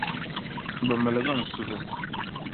Bɛ miligi n suhu.